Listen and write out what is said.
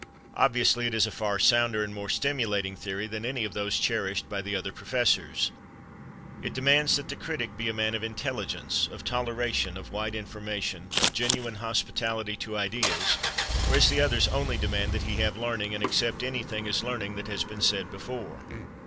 Obviously, it is a far sounder and more stimulating theory than any of those cherished by the other professors. It demands that the critic be a man of intelligence, of toleration, of wide information, of genuine hospitality to ideas, whereas the others only demand that he have learning, and accept anything as learning that has been said before.